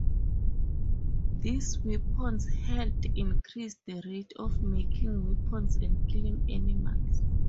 These weapons helped increase the rate of making weapons and killing animals.